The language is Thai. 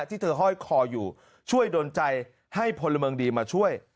ที่เธอห้อยคออยู่ช่วยดนใจให้พลเมืองดีมาช่วย